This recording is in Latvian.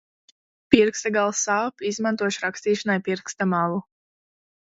Pirksta gals sāp, izmantošu rakstīšanai pirksta malu.